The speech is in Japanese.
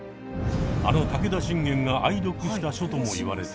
あの武田信玄が愛読した書とも言われています。